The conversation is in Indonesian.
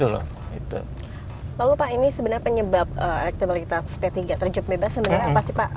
lalu pak ini sebenarnya penyebab elektabilitas p tiga terjun bebas sebenarnya apa sih pak